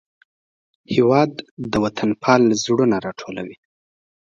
هېواد د وطنپال زړونه راټولوي.